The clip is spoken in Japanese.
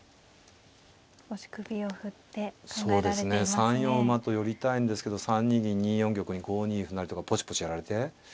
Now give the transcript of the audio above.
３四馬と寄りたいんですけど３二銀２四玉に５二歩成とかポチポチやられて。